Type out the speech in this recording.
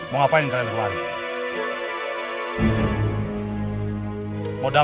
mereka juga bisa mendapat penghasilan